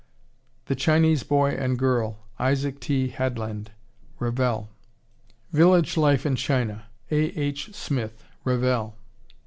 The Chinese Boy and Girl, Isaac T. Headland, (Revell.) Village Life in China, A. H. Smith, (Revell.)